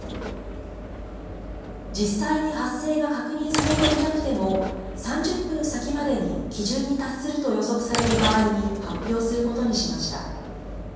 実際に発生が確認されていなくても、３０分先までに基準に達すると予測される場合に発表することにしました。